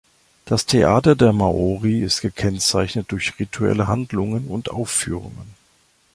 Das Theater der Maori ist gekennzeichnet durch rituelle Handlungen und Aufführungen.